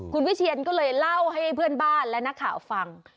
คุณวิเชียนก็เลยเล่าให้เพื่อนบ้านและนักข่าวฟัง